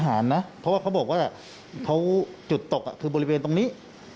นะเพราะว่าเขาบอกว่าเขาจุดตกคือบริเวณตรงนี้